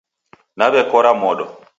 Naw'ekora modo